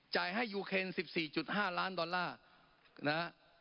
จ่ายให้ยูเครน๑๔๕ล้านดอลลาร์นะ